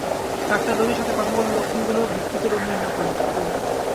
Doctor রোগীর সাথে কথা বলে লক্ষণগুলোর ভিত্তিতে রোগ নির্ণয় করবেন।